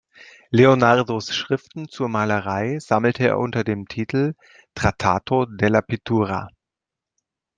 Leonardos Schriften zur Malerei sammelte er unter dem Titel Trattato della Pittura.